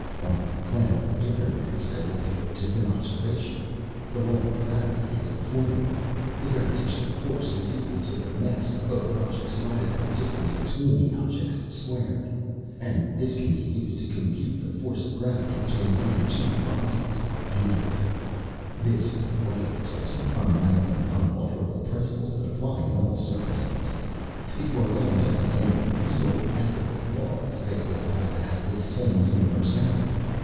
On a planet with a different mass there will be a different observation. The law of gravity is the formula mM F = d squared and this can be used to compute the force of gravity between any two bodies anywhere. This is a way of expressing fundamental and unalterable principles that apply in all circumstances. If you are going to have any real ethical laws they will have to have this same universality.